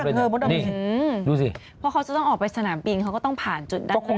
เพราะเขาต้องออกไปสถานบิงเขาก็ต้องผ่านจุดดัง